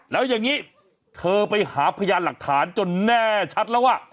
แล้วอย่างนี้เธอไปหาพยานหลักฐานจนแน่ชัดแล้วว่า